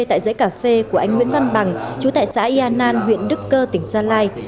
tại dãy cà phê của anh nguyễn văn bằng chú tại xã yên nan huyện đức cơ tỉnh gia lai